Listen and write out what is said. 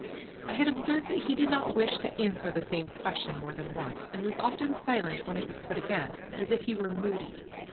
I had observed that he did not wish to answer the same question more than once, and was often silent when it was put again, as if he were moody.